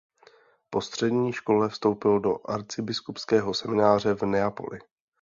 Po střední škole vstoupil do arcibiskupského semináře v Neapoli.